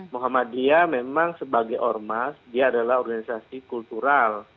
muhammadiyah memang sebagai ormas dia adalah organisasi kultural